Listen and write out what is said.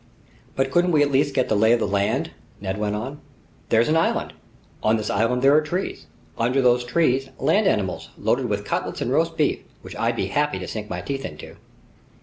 "But couldn't we at least get the lay of the land?" Ned went on. "Here's an island. On this island there are trees. Under those trees land animals loaded with cutlets and roast beef, which I'd be happy to sink my teeth into."